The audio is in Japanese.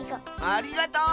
ありがとう！